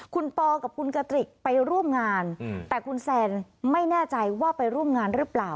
คุณปอกับคุณกติกไปร่วมงานแต่คุณแซนไม่แน่ใจว่าไปร่วมงานหรือเปล่า